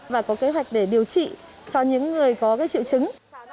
và có kế hoạch để điều trị cho những người có triệu chứng